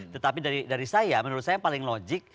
tetapi dari saya menurut saya yang paling logik